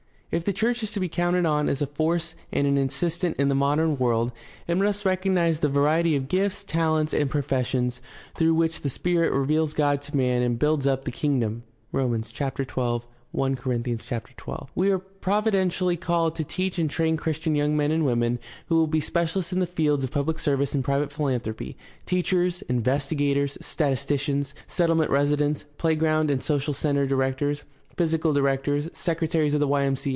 If the church is to be counted as a force and an assistant in the modern world, it must recognize CHRISTIANITY AND SOCIAL PROBLEMS 705 the variety of gifts, talents, and professions through which the Spirit reveals God to man and builds up the Kingdom (Rom., chap. 12; I Cor., chap. 12). We are providentially called to teach and train Christian young men and women who will be specialists in the fields of public service and private philanthropy: teachers, investigators, statisticians, settlement residents, playground and social center directors, physical directors, secretaries of the Y.M.C.